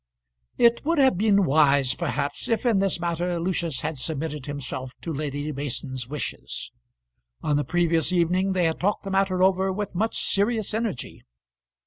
It would have been wise, perhaps, if in this matter Lucius had submitted himself to Lady Mason's wishes. On the previous evening they had talked the matter over with much serious energy.